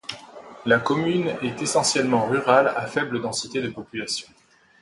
La commune est essentiellement rurale à faible densité de population.